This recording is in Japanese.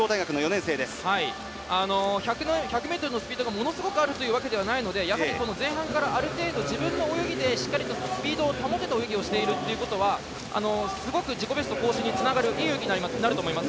１００ｍのスピードがものすごくあるっていうわけではないのでやはり前半からある程度自分の泳ぎでしっかりとスピードを保てた泳ぎができているということはすごく自己ベスト更新につながるいい泳ぎになると思います。